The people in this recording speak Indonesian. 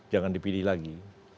jangan dipilih lagi